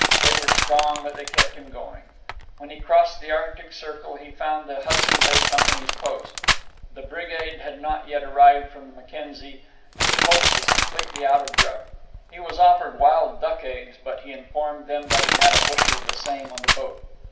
They were strong, but they kept him going. When he crossed the Arctic Circle, he found the Hudson Bay Company's post. The brigade had not yet arrived from the Mackenzie, and the post was completely out of grub. He was offered wild duck eggs, but he informed them that he had a bushel of the same on the boat.